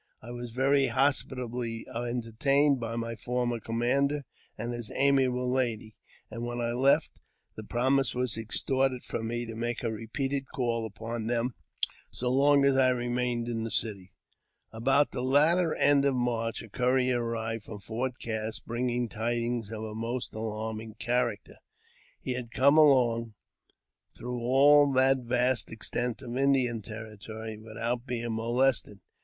I was very hospitably enter ■ tained by my former commander and his amiable lady, and jwhen I left, the promise was extorted from me to make 'repeated calls upon them so long as I remained in the city. About the latter end of March a courier arrived from Fort Cass, bringing tidings of a most alarming character. He had come alone through all that vast extent of Indian territory without being molested.